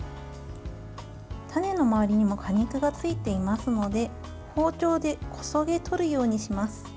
種の周りにも果肉がついていますので包丁でこそげ取るようにします。